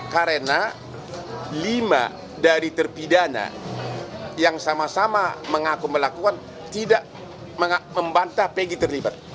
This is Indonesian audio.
karena lima dari terpidana yang sama sama mengaku melakukan tidak membantah pg terlibat